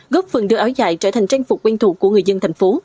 góp phần đưa áo dài trở thành trang phục quen thuộc của người dân thành phố